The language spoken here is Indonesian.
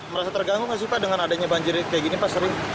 merasa terganggu gak sih pak dengan adanya banjir kayak gini pak sering